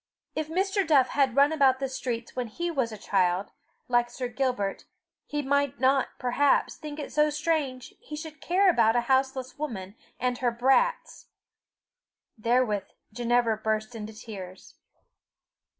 If Mr. Duff had run about the streets when he was a child, like Sir Gilbert, he might not, perhaps, think it so strange he should care about a houseless woman and her brats!" Therewith Ginevra burst into tears.